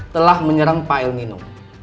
telah menyerang pak el nino